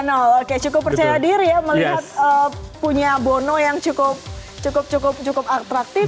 oke cukup percaya diri ya melihat punya bono yang cukup atraktif